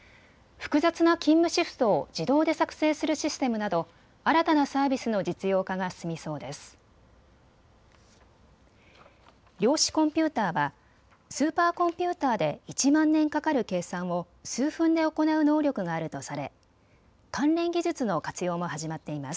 複雑な勤務シフトを自動で作成するシステムなど新たなサービスの実用化が進みそうです。